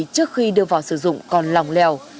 trước khi đưa vào sử dụng còn lòng lèo